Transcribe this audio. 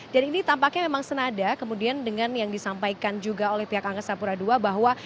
dan ini tampaknya memang senada kemudian dengan yang disampaikan juga oleh pihak angkasa pura ii bahwa